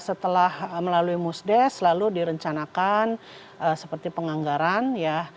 setelah melalui musdes lalu direncanakan seperti penganggaran ya